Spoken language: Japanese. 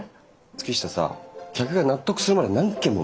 月下さ客が納得するまで何件も回るでしょ。